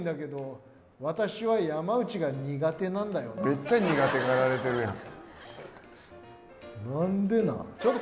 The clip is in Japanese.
めっちゃ苦手がられてるやん。